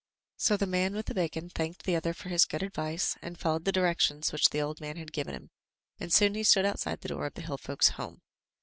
So the man with the bacon thanked the other for his good advice and followed the directions which the old man had given him, and soon he stood outside the door of the hillfolks' home.